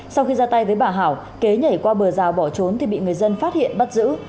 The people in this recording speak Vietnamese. sau khi ra tay với bà hảo kế nhảy qua bờ rào bỏ trốn thì bị người dân phát hiện bắt giữ